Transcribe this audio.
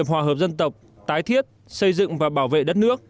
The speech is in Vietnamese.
hòa hợp dân tộc tái thiết xây dựng và bảo vệ đất nước